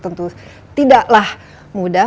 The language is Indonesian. tentu tidaklah mudah